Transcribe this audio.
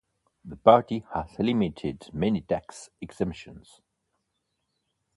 The party has eliminated many tax exemptions.